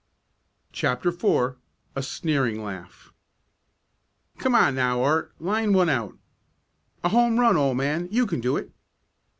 CHAPTER IV A SNEERING LAUGH "Come on now, Art! Line one out!" "A home run, old man! You can do it!"